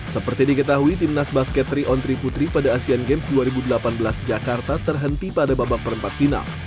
seperti diketahui timnas basket tiga on tiga putri pada asian games dua ribu delapan belas jakarta terhenti pada babak perempat final